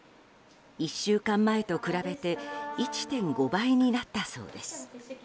１週間前と比べて１．５倍になったそうです。